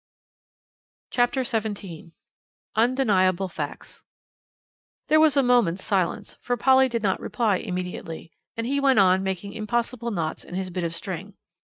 CHAPTER XVII UNDENIABLE FACTS There was a moment's silence, for Polly did not reply immediately, and he went on making impossible knots in his bit of string.